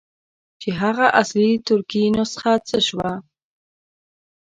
چې هغه اصلي ترکي نسخه څه شوه.